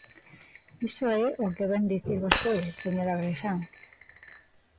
Iso é o que vén dicir vostede, señor Agrexán.